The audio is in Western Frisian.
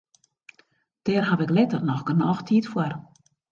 Dêr haw ik letter noch genôch tiid foar.